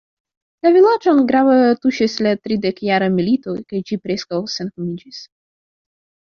La vilaĝon grave tuŝis la tridekjara milito kaj ĝi preskaŭ senhomiĝis.